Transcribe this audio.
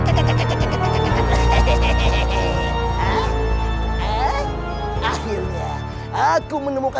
saya udah gilak ny caring untukmu